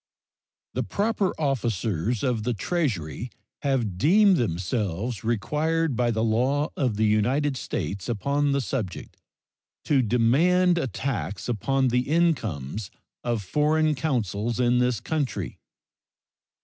The proper officers of the Treasury have deemed themselves required by the law of the United States upon the subject to demand a tax upon the incomes of foreign consuls in this country.